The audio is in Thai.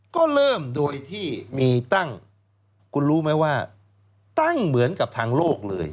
ก็เริ่มโดยที่มีตั้งคุณรู้ไหมว่าตั้งเหมือนกับทางโลกเลย